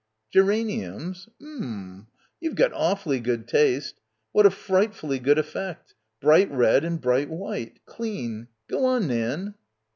"Geraniums! Oom. You've got awfully good taste. What a frightfully good effect. Bright red and bright white. Clean. Go on, Nan."